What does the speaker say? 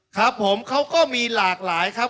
ครับผมเขาก็มีหลากหลายครับ